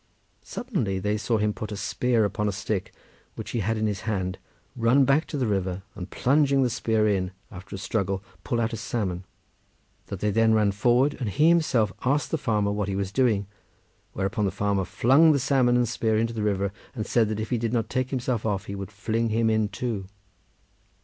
Suddenly they saw him put a spear upon a stick which he had in his hand, run back to the river, and plunging the spear in, after a struggle pull out a salmon; that they then ran forward, and he himself asked the farmer what he was doing, whereupon the farmer flung the salmon and spear into the river, and said that if he did not take himself off he would fling him in too.